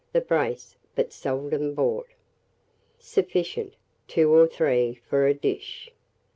the brace; but seldom bought. Sufficient, 2 or 3 for a dish.